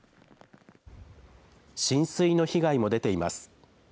浸水の被害も出ています。